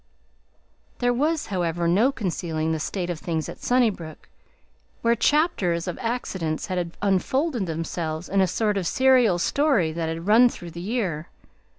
There was, however, no concealing the state of things at Sunnybrook, where chapters of accidents had unfolded themselves in a sort of serial story that had run through the year.